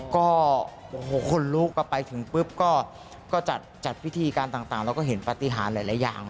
ก็โอ้โหคนลุกก็ไปถึงปุ๊บก็จัดพิธีการต่างเราก็เห็นปฏิหารหลายอย่าง